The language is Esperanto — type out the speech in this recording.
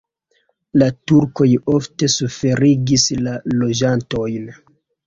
La turkoj ofte suferigis la loĝantojn.